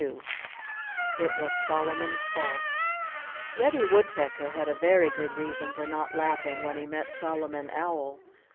XXII It Was Solomon's Fault Reddy Woodpecker had a very good reason for not laughing when he met Solomon Owl.